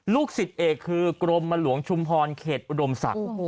ลูกศิษย์เอกคือกรมหลวงชุมพรเขตอุดมศักดิ์